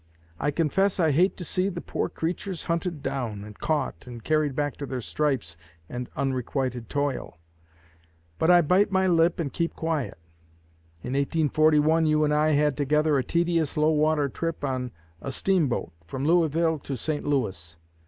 I confess I hate to see the poor creatures hunted down, and caught, and carried back to their stripes and unrequited toil; but I bite my lip and keep quiet. In 1841 you and I had together a tedious low water trip on a steamboat from Louisville to St. Louis.